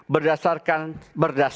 berdasarkan asas pemilu demokratis